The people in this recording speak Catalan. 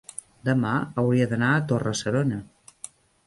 demà hauria d'anar a Torre-serona.